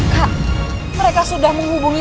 kak mereka sudah menghubungi